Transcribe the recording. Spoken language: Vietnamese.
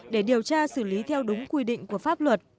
để điều tra xử lý theo đúng quy định của pháp luật